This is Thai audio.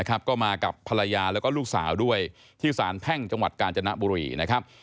ก็มากับภรรยาแล้วก็ลูกสาวด้วยที่สารแพ่งจังหวัดกาญจนบุรีนะครับ